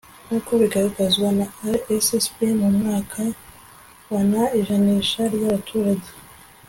Nk uko bigaragazwa na RSSB mu mwaka wa na ijanisha ry abaturage